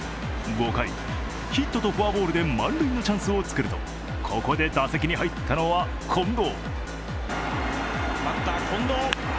５回、ヒットとフォアボールで満塁のチャンスをつくると、ここで打席に入ったのは近藤。